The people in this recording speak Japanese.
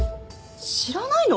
知らないの？